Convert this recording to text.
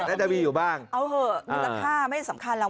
เอาเหอะมูลค่าไม่ได้สำคัญแล้ว